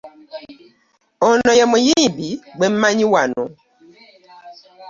Ono ye muyimbi gwe mmanyi wano.